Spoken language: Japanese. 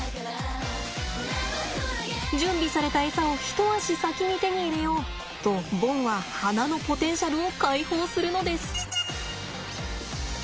準備されたエサを一足先に手に入れようとボンは鼻のポテンシャルを解放するのです。